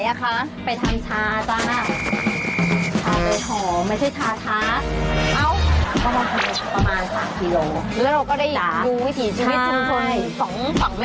ลืมถามแม่น้ำอะไรอ่ะคะไม่รอยังพรุ่งนี้ก่อนละไปถาม